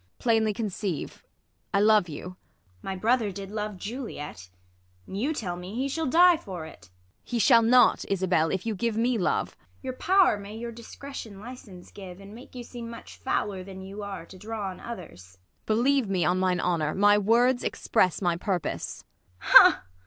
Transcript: Ang. Plainly conceive, I love you. IsA. My brother did love Juliet ; And you tell me he shall die for it. Ang. He shall not, Isabell, if you give me love. ISA. Your pow'r may your discretion licence give. And make you seem much fouler than you are, To draw on others. Ang. Believe me on mine honour, My words express my purpose. ISA. Ha